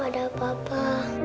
pada mamaku ada papa